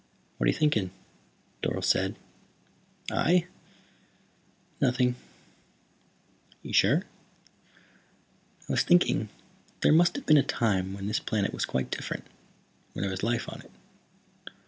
"What are you thinking?" Dorle said. "I? Nothing." "Are you sure?" "I was thinking that there must have been a time when this planet was quite different, when there was life on it."